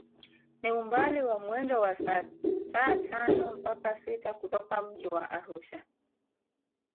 Ni umbali wa mwendo wa saa tano mpaka sita kutoka mji wa Arusha